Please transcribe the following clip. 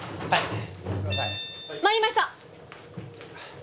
はい。